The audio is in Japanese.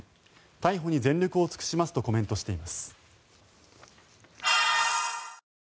逮捕に全力を尽くしますとコメントしています。